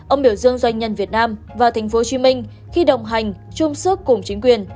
ông biểu dương doanh nhân việt nam và tp hcm khi đồng hành chung sức cùng chính quyền